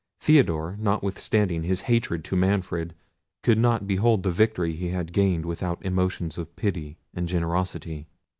Theodore, notwithstanding his hatred to Manfred, could not behold the victory he had gained without emotions of pity and generosity.